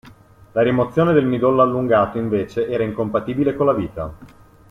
La rimozione del midollo allungato, invece, era incompatibile con la vita.